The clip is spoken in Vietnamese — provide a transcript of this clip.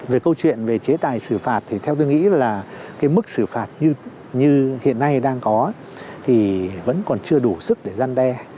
về câu chuyện về chế tài xử phạt thì theo tôi nghĩ là cái mức xử phạt như hiện nay đang có thì vẫn còn chưa đủ sức để gian đe